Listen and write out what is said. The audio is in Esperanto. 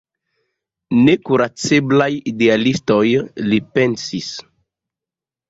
Nekuraceblaj idealistoj, li pensis.